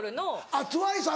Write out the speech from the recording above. あっＴＷＩＣＥ